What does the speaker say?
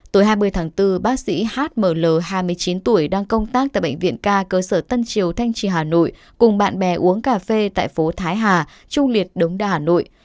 tối hai mươi tháng bốn bác sĩ hml hai mươi chín tuổi đang công tác tại bệnh viện ca cơ sở tân triều thanh trì hà nội cùng bạn bè uống cà phê tại phố thái hà trung liệt đống đa hà nội